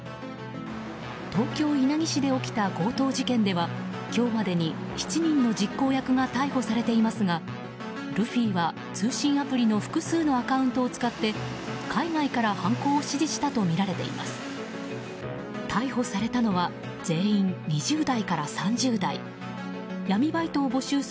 東京・稲城市で起きた強盗事件では今日までに７人の実行役が逮捕されていますがルフィは通信アプリの複数のアカウントを使って海外から犯行を指示したとみられています。